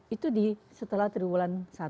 itu setelah triwulan satu